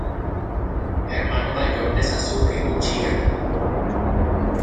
Hermano mayor de Sasuke Uchiha.